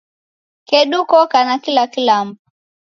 Kedu koka na kila kilambo